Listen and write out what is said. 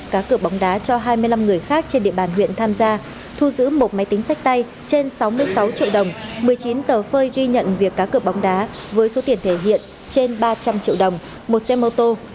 cá cửa bóng đá cho hai mươi năm người khác trên địa bàn huyện tham gia thu giữ một máy tính sách tay trên sáu mươi sáu triệu đồng một mươi chín tờ phơi ghi nhận việc cá cược bóng đá với số tiền thể hiện trên ba trăm linh triệu đồng một xe mô tô